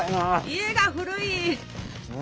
家が古い！